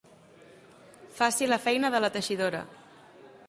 Faci la feina de la teixidora.